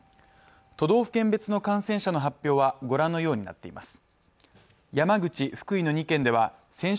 都道府県別の感染者の発表は御覧のようになっています。